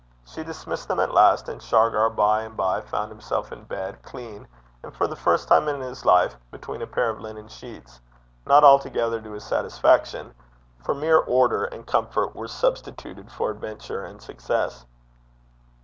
She dismissed them at last, and Shargar by and by found himself in bed, clean, and, for the first time in his life, between a pair of linen sheets not altogether to his satisfaction, for mere order and comfort were substituted for adventure and success.